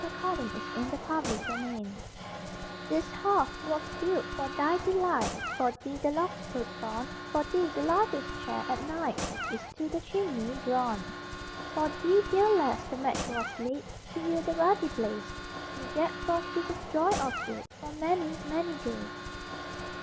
DEDICATION FOR A FIREPLACE This hearth was built for thy delight, For thee the logs were sawn, For thee the largest chair, at night, Is to the chimney drawn. For thee, dear lass, the match was lit To yield the ruddy blaze May Jack Frost give us joy of it For many, many days.